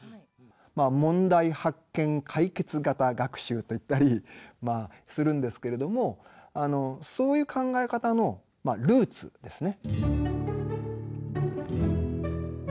まあ問題発見・解決型学習と言ったりするんですけれどもそういう考え方のまあルーツですね。